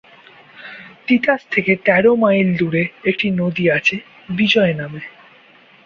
তিতাস থেকে তেরো মাইল দূরে একটি নদী আছে বিজয় নামে।